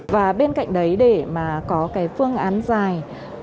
và bên cạnh đấy để mà có cái phương án dài